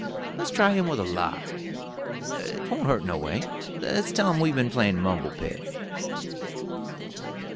Let's try him with a lie 'twon't hurt, noway: let's tell him we've been playin' mumble peg."